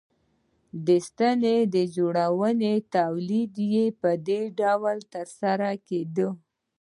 د ستنې جوړونې تولید یې په دې ډول ترسره کېده